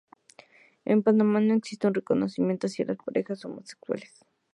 En Panamá no existe un reconocimiento hacia las parejas homosexuales.